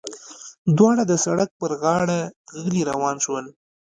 دواړه د سړک پر غاړه غلي روان شول.